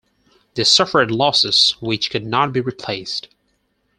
They suffered losses which could not be replaced.